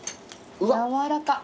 やわらか。